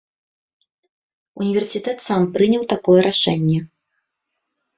Універсітэт сам прыняў такое рашэнне.